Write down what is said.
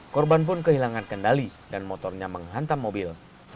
korban pun kehilangan kendali dan motornya menghantam mobil